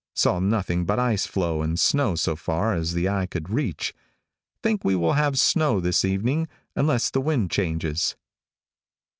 Saw nothing but ice floe and snow as far as the eye could reach. Think we will have snow this evening unless the wind changes.